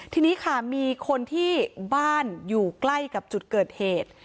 ทีนี้ค่ะมีคนที่บ้านอยู่ใกล้กับจุดเกิดเหตุ